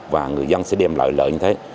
và người dân sẽ đem lợi lợi như thế